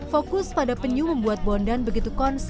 fokus pada penyu membuat bondan begitu konsisten